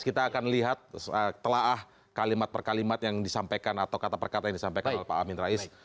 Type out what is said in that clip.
kita akan lihat telah kalimat per kalimat yang disampaikan atau kata perkata yang disampaikan oleh pak amin rais